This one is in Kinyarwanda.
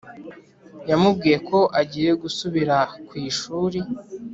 yamubwiye ko agiye gusubira ku ishuri